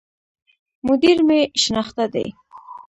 مدير مي شناخته دی